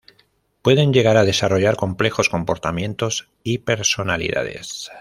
Pueden llegar a desarrollar complejos comportamientos y personalidades.